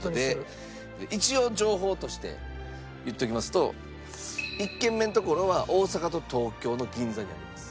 一応情報として言っておきますと１軒目の所は大阪と東京の銀座にあります。